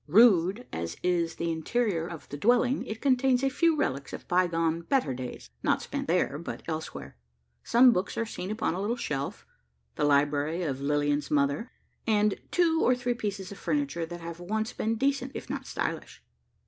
Rude as is the interior of the sheiling, it contains a few relics of bygone, better days not spent there, but elsewhere. Some books are seen upon a little shelf the library of Lilian's mother and two or three pieces of furniture, that have once been decent, if not stylish.